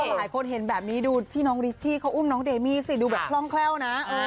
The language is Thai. หลายคนเห็นแบบนี้ดูที่น้องริชชี่เขาอุ้มน้องเดมี่สิดูแบบคล่องแคล่วนะ